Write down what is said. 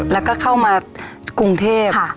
แล้วก็เข้ามากรุงเทพ